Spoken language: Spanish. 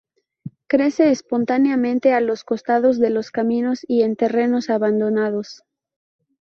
Crece espontáneamente a los costados de los caminos y en terrenos abandonados.